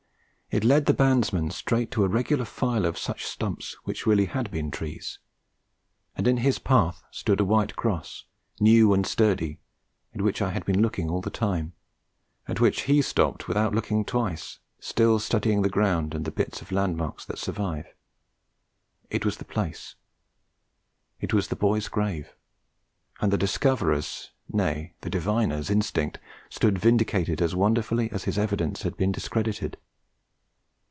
It led the bandsman straight to a regular file of such stumps, which really had been trees: and in his path stood a white cross, new and sturdy, at which I had been looking all the time: at which he stopped without looking twice, still studying the ground and the bits of landmarks that survived. It was the place. It was the boy's grave; and the discoverer's nay, the diviner's instinct stood vindicated as wonderfully as his evidence had been discredited.